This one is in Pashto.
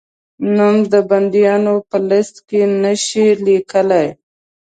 نوم د بندیانو په لېسټ کې نه شې لیکلای؟